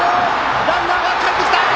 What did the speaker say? ランナーがかえってきた！